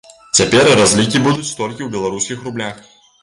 Цяпер разлікі будуць толькі ў беларускіх рублях.